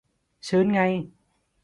ชื้นไง